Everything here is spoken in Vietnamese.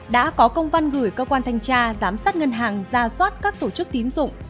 đã có công văn gửi cơ quan thanh tra giám sát ngân hàng ra soát các tổ chức tín dụng